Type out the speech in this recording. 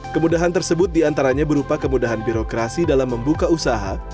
kemudahan tersebut diantaranya berupa kemudahan birokrasi dalam membuka usaha